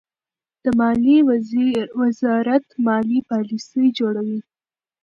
د مالیې وزارت مالي پالیسۍ جوړوي.